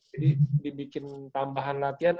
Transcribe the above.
jadi dibikin tambahan latihan